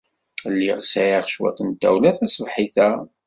Lliɣ sɛiɣ cwiṭ n tawla taṣebḥit-a.